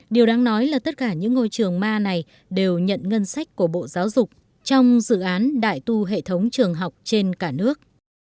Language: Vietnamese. điều đáng nói là tất cả những ngôi trường ma này đều nhận ngân sách của bộ giáo dục trong dự án đại tu hệ thống trường học trên cả nước